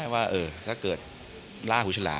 ชื่อบริษัท